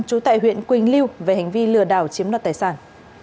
trú tại huyện quỳnh lưu về hành vi lừa đảo chiếm đoạt tài sản